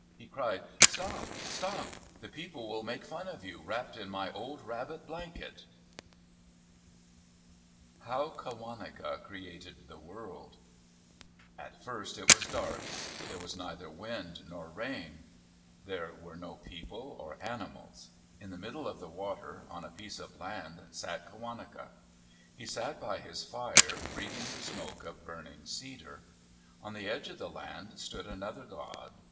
He cried, " Stop ! Stop ! The people will make fun of you, wrapped in my old rabbit blanket." MYTHS AND LEGENDS HOW QAWANECA CREATED THE WORLD A 1 first it was dark. There was neither wind nor rain. There were no people or animals. In the middle of the water, on a piece of land, sat Qawaneca. He sat by his fire breathing the smoke of burning cedar. On the edge of the land stood another god.